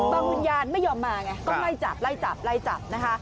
บางวิญญาณไม่ยอมมาไงก็ไล่จับ